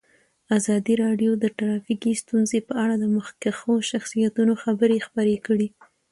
ازادي راډیو د ټرافیکي ستونزې په اړه د مخکښو شخصیتونو خبرې خپرې کړي.